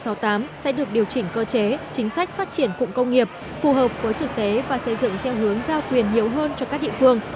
sẽ được điều chỉnh cơ chế chính sách phát triển cụm công nghiệp phù hợp với thực tế và xây dựng theo hướng giao quyền nhiều hơn cho các địa phương